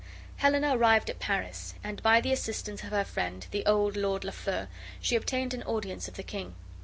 Helena arrived at Paris, and by the assistance of her friend, the old Lord Lafeu, she obtained an audience of the king.